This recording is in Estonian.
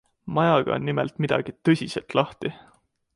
Majaga on nimelt midagi tõsiselt lahti.